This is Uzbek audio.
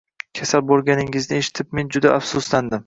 Kasal bo'lganingizni eshitib men juda afsuslandim.